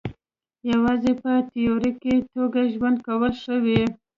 یوازې په تیوریکي توګه ژوند کول ښه وي.